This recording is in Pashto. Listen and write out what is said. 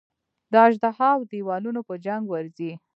د اژدها او دېوانو په جنګ ورځي.